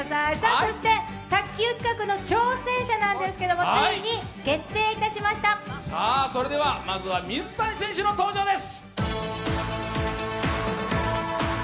そして、卓球企画の挑戦者なんですけれどもそれでは水谷選手の登場です。